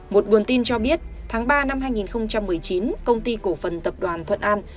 một nguồn tin cho biết tháng ba năm hai nghìn một mươi chín công ty cổ phần tập đoàn thuận an